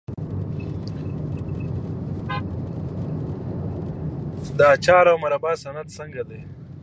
د اچار او مربا صنعت څنګه دی؟